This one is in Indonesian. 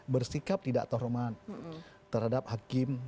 bersikap tidak terhormat terhadap hakim